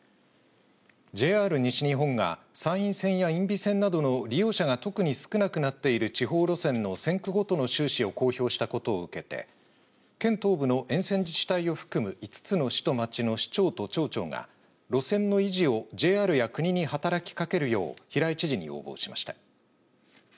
ＪＲ西日本が山陰線や因美線などの利用者が特に少なくなっている地方路線の線区ごとの収支を公表したことを受けて県東部の沿線自治体を含む５つの市と町の市長と町長が路線の維持をＪＲや国に働きかけるよう平井知事に要望しました。